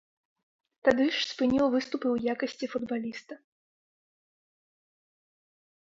Тады ж спыніў выступы ў якасці футбаліста.